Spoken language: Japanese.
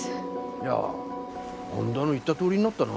いやあんだの言ったとおりになったな。